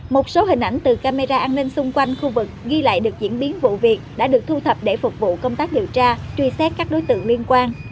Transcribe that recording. một số hình ảnh từ camera an ninh xung quanh khu vực ghi lại được diễn biến vụ việc đã được thu thập để phục vụ công tác điều tra truy xét các đối tượng liên quan